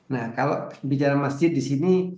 nah kalau bicara masjid di sini